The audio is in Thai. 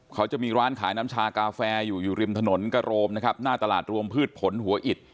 เขาจะมีร้านขายน้ำชากาแฟอยู่อยู่ริมถนนกระโรมนะครับหน้าตลาดรวมพืชผลหัวอิด